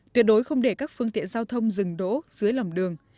tuyệt đối không để các phương tiện giao thông dừng đỗ dưới lòng đường